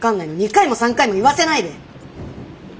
２回も３回も言わせないで。